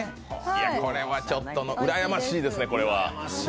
これはちょっとうらやましいですね。